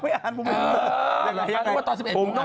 เออตอน๑๑โมงอ่าน